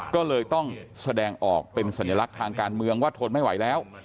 ก็เลยต้องแสดงออกเป็นสัญลักษณ์ทางการเมืองว่าทนไม่ไหวแล้ว